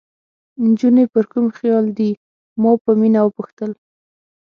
نجونې پر کوم خیال دي؟ ما په مینه وپوښتل.